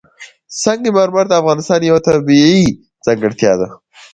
سنگ مرمر د افغانستان یوه طبیعي ځانګړتیا ده.